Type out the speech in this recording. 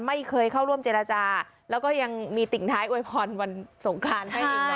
ไม่เคยเข้าร่วมเจรจาแล้วก็ยังมีติ่งท้ายอวยพรวันสงครานให้อีกนะ